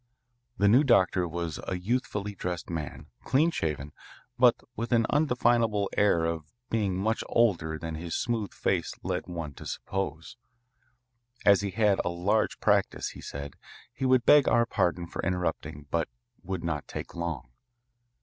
The new doctor was a youthfully dressed man, clean shaven, but with an undefinable air of being much older than his smooth face led one to suppose. As he had a large practice, he said, he would beg our pardon for interrupting but would not take long.